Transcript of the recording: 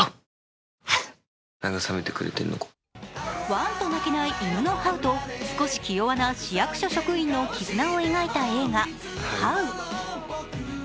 ワンと鳴けない犬のハウと少し気弱な市役所職員の絆を描いた映画「ハウ」。